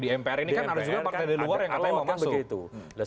di mpr ini kan ada juga partai di luar yang katanya mau masuk